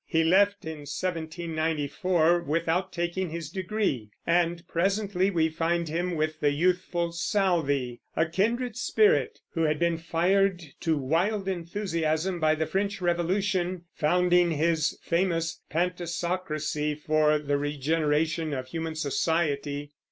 He left in 1794 without taking his degree; and presently we find him with the youthful Southey, a kindred spirit, who had been fired to wild enthusiasm by the French Revolution, founding his famous Pantisocracy for the regeneration of human society.